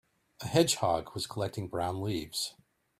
A hedgehog was collecting brown leaves.